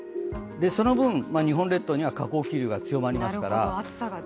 その分、日本列島には下降気流が強まりますから。